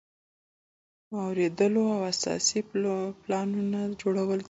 اوریدلو او اساسي پلانونو د جوړولو کې.